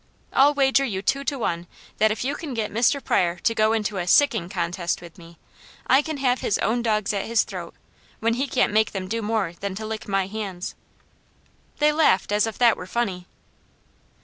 I'll wager you two to one that if you can get Mr. Pryor to go into a 'sic ing' contest with me, I can have his own dogs at his throat, when he can't make them do more than to lick my hands." They laughed as if that were funny.